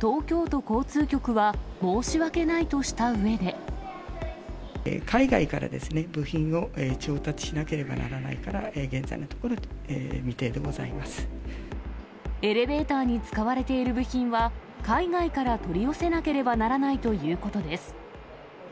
東京都交通局は、申し訳ない海外からですね、部品を調達しなければならないから、現在のところ未定でございまエレベーターに使われている部品は、海外から取り寄せなければならないということです。